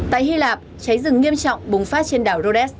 tại hy lạp cháy rừng nghiêm trọng bùng phát trên đảo rhodes